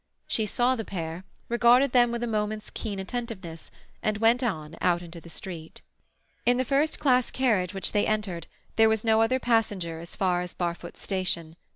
She saw the pair, regarded them with a moment's keen attentiveness, and went on, out into the street. In the first class carriage which they entered there was no other passenger as far as Barfoot's station.